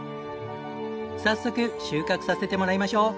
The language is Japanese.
早速収穫させてもらいましょう。